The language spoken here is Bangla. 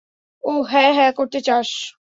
ওহ, হ্যাঁ হ্যাঁ, করতে চাস?